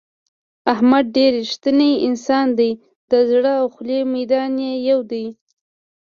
احمد ډېر رښتینی انسان دی د زړه او خولې میدان یې یو دی.